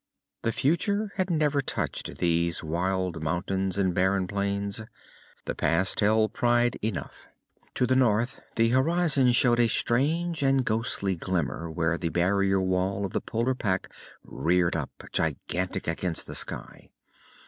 The future had never touched these wild mountains and barren plains. The past held pride enough. To the north, the horizon showed a strange and ghostly glimmer where the barrier wall of the polar pack reared up, gigantic against the sky.